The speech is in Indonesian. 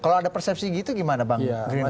kalau ada persepsi gitu gimana bang